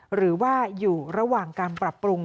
หรือว่าอยู่ระหว่างการปรับปรุง